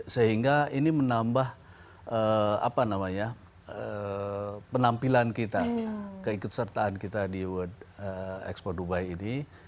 sehingga ini menambah penampilan kita keikutsertaan kita di world export dubai ini